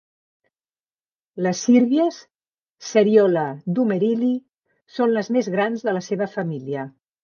Les círvies, "Seriola dumerili", són les més grans de la seva família.